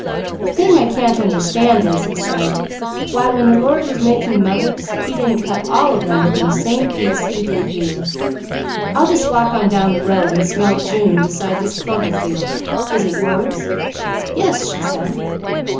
"A thing I can't understand is," he said, "why when the Lord was making mothers, he didn't cut all of them from the same piece he did you. I'll just walk on down the road and smell June beside this clover field. Is it yours?" "Yes," she said.